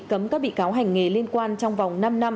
cấm các bị cáo hành nghề liên quan trong vòng năm năm